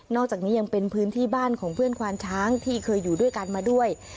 อกจากนี้ยังเป็นพื้นที่บ้านของเพื่อนควานช้างที่เคยอยู่ด้วยกันมาด้วย